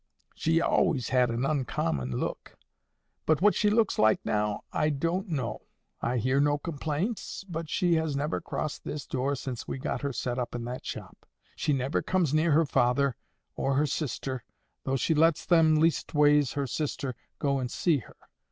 "She always had an uncommon look. But what she looks like now, I don't know. I hear no complaints; but she has never crossed this door since we got her set up in that shop. She never comes near her father or her sister, though she lets them, leastways her sister, go and see her.